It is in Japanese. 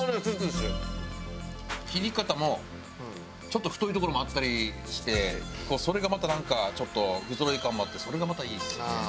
切り方もちょっと太いところもあったりしてそれがまたなんかちょっと不ぞろい感もあってそれがまたいいですね。